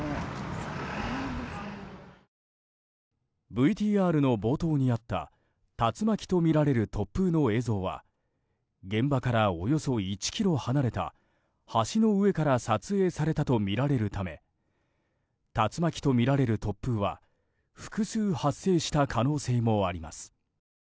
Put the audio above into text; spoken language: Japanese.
ＶＴＲの冒頭にあった竜巻とみられる突風の映像は現場からおよそ１ｋｍ離れた橋の上から撮影されたとみられるため竜巻とみられる突風は複数発生した可能性もあります。